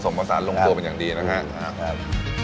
ผสมกับสารลงตัวเป็นอย่างดีนะฮะครับ